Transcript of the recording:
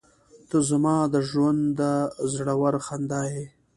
• ته زما د ژونده زړور خندا یې.